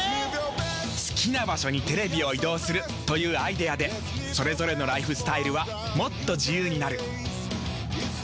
好きな場所にテレビを移動するというアイデアでそれぞれのライフスタイルはもっと自由になる。